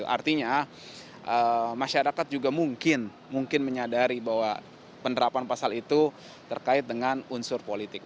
artinya masyarakat juga mungkin menyadari bahwa penerapan pasal itu terkait dengan unsur politik